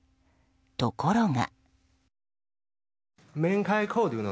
ところが。